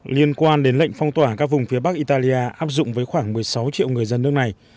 liên quan đến lệnh phong tỏa các vùng phía bắc italia áp dụng với khoảng một mươi sáu triệu người dân nước này